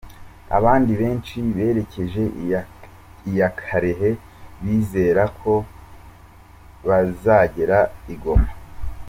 Abandi benshi berekeje iya Kalehe bizera ko bazagera i Goma.